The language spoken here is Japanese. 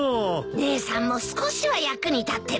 姉さんも少しは役に立ってるんだね。